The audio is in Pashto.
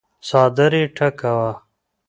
څادر يې ټکواهه.